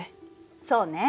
そうね。